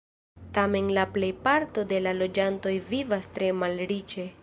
Tamen la plejparto de la loĝantoj vivas tre malriĉe.